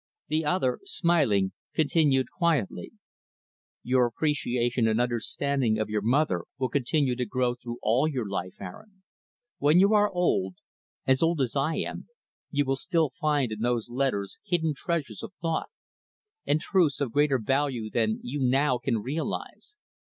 The other, smiling, continued quietly, "Your appreciation and understanding of your mother will continue to grow through all your life, Aaron. When you are old as old as I am you will still find in those letters hidden treasures of thought, and truths of greater value than you, now, can realize.